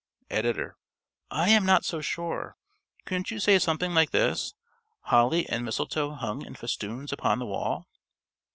_ ~Editor.~ _I am not so sure. Couldn't you say something like this: "Holly and mistletoe hung in festoons upon the wall?"